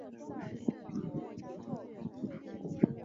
则包括十八门和十二门。